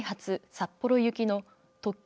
札幌行きの特急